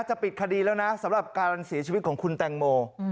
ปิดคดีแล้วนะสำหรับการเสียชีวิตของคุณแตงโม